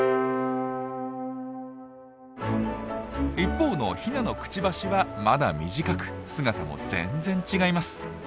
一方のヒナのクチバシはまだ短く姿も全然違います。